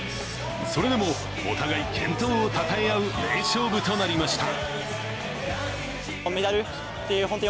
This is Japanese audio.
それでも、お互い健闘をたたえ合う名勝負となりました。